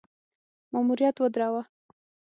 ماموریت ودراوه.